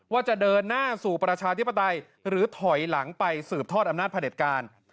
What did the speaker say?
ว่าจะเดินหน้าสู่ประชาธิปไตยหรือถอยหลังไปสืบทอดอำนาจพระเด็จการ